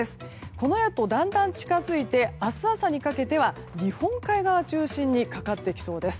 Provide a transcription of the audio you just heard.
このあとだんだん近づいて明日朝にかけては日本海側中心にかかってきそうです。